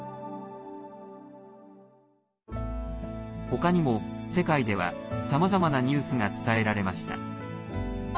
ほかにも世界ではさまざまなニュースが伝えられました。